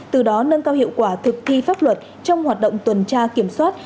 từ đó nâng cao hiệu quả thực thi pháp luật trong hoạt động tuần tra kiểm soát